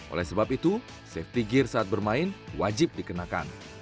oleh sebab itu safety gear saat bermain wajib dikenakan